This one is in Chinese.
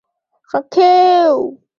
十八里汰戏楼的历史年代为清代。